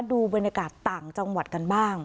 ดูบรรยากาศต่างจังหวัดกันบ้าง